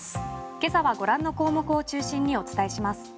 今朝はご覧の項目を中心にお伝えします。